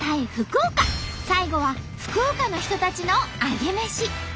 最後は福岡の人たちのアゲメシ！